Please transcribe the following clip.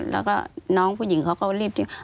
แล้วก็น้องผู้หญิงเขาก็รีบ